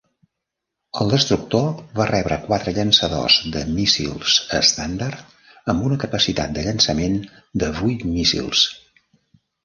El destructor va rebre quatre llançadors de míssils estàndard amb una capacitat de llançament de vuit míssils.